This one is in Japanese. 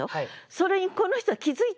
それにこの人は気づいたんです。